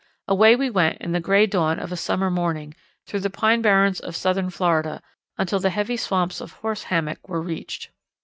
Away we went in the gray dawn of a summer morning through the pine barrens of southern Florida until the heavy swamps of Horse Hammock were reached.